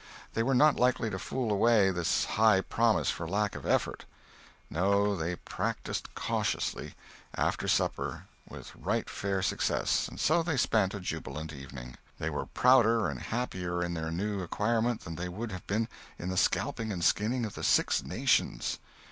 They were not likely to fool away this high promise for lack of effort. No, they practised cautiously, after supper, with right fair success, and so they spent a jubilant evening. They were prouder and happier in their new acquirement than they would have been in the scalping and skinning of the Six Nations.